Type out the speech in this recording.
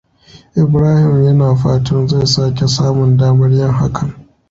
Ibrahim yana fatan zai sake samun damar yin hakan.